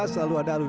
selalu ada alunan